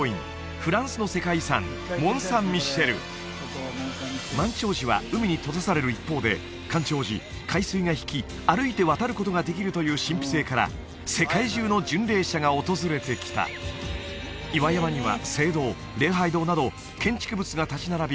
フランスの世界遺産満潮時は海に閉ざされる一方で干潮時海水が引き歩いて渡ることができるという神秘性から世界中の巡礼者が訪れてきた岩山には聖堂礼拝堂など建築物が立ち並び